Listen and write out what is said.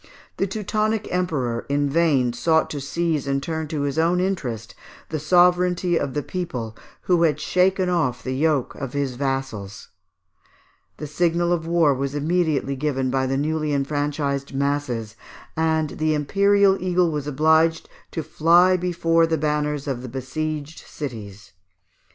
The Teutonic Emperor in vain sought to seize and turn to his own interest the sovereignty of the people, who had shaken off the yokes of his vassals: the signal of war was immediately given by the newly enfranchised masses; and the imperial eagle was obliged to fly before the banners of the besieged cities.